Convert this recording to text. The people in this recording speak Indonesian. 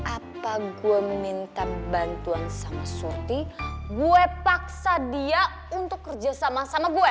apa gue minta bantuan sama surti gue paksa dia untuk kerja sama sama gue